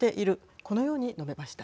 このように述べました。